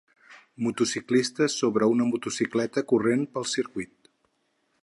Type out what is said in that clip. Motociclista sobre una motocicleta corrent pel circuit.